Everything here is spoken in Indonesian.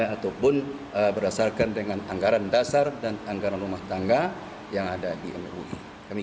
ataupun berdasarkan dengan anggaran dasar dan anggaran rumah tangga yang ada di mui